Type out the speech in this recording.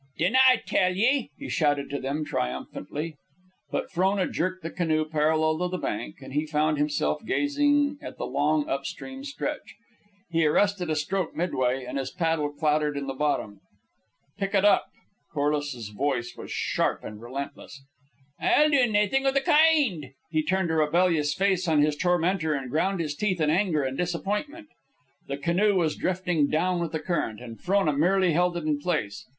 "Dinna I tell ye!" he shouted to them, triumphantly. But Frona jerked the canoe parallel with the bank, and he found himself gazing at the long up stream stretch. He arrested a stroke midway, and his paddle clattered in the bottom. "Pick it up!" Corliss's voice was sharp and relentless. "I'll do naething o' the kind." He turned a rebellious face on his tormentor, and ground his teeth in anger and disappointment. The canoe was drifting down with the current, and Frona merely held it in place.